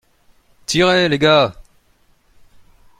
Tirez, les gars !